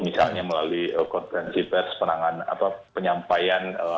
misalnya melalui konferensi pers penanganan atau penyampaian